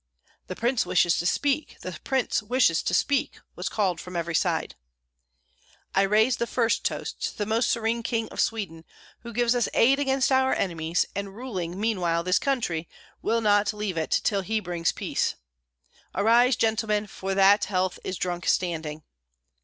"The prince wishes to speak! The prince wishes to speak!" was called from every side. "I raise the first toast to the Most Serene King of Sweden, who gives us aid against our enemies, and ruling meanwhile this country, will not leave it till he brings peace. Arise, gentlemen, for that health is drunk standing."